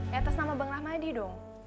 ya atas nama bang rahmadi dong